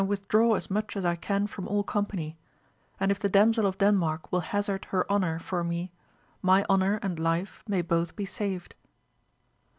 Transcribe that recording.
withdraw as much as I can from all company ; and if the Damsel of Denmark will hazard her honour for me, my honour and life may both be saved.